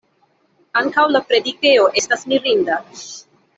Ankaŭ la predikejo estas mirinda.